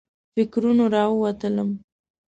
فکرونو راووتلم.